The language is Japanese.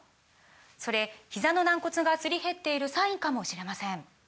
それひざの軟骨がすり減っているサインかもしれません